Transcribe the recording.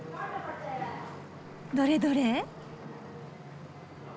どれどれ。